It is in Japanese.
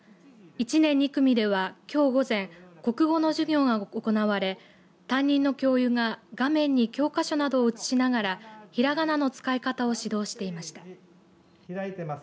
１年２組ではきょう午前、国語の授業が行われ担任の教諭が画面に教科書などを映しながらひらがなの使い方を指導していました。